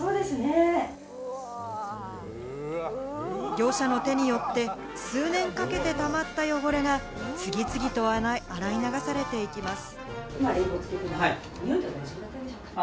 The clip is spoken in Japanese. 業者の手によって数年かけてたまった汚れが次々と洗い流されていきます。